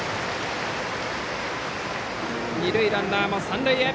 二塁ランナーも三塁へ。